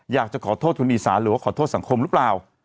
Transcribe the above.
อยากจะขอโทษคนอีสานหรือว่าขอโทษสังคมหรือเปล่า